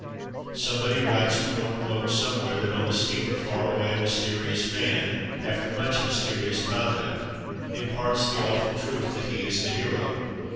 Somebody writes from a remote somewhere that on a steamer far away a mysterious man, after much mysterious conduct, imparts the awful truth that he is the hero.